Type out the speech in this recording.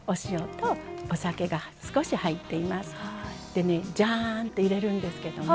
でねジャンって入れるんですけども。